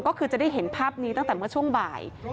ก็คือจะได้เห็นภาพนี้ตั้งแต่เมื่อช่วงบ่าย